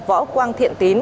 võ quang thiện tín